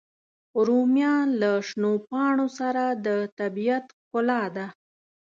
رومیان له شنو پاڼو سره د طبیعت ښکلا ده